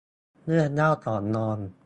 เรื่องเล่าก่อนนอน